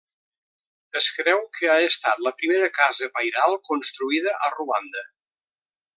Es creu que ha estat la primera casa pairal construïda a Ruanda.